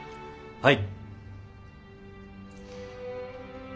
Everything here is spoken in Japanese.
はい。